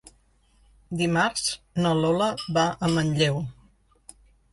Dimarts na Lola va a Manlleu.